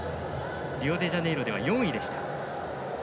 リオデジャネイロでは４位でした。